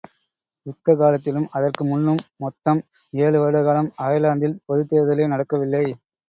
யுத்த காலத்திலும் அதற்கு முன்னும் மொத்தம் ஏழு வருடகாலம் அயர்லாந்தில் பொதுத் தேர்தலே நடக்கவில்லை.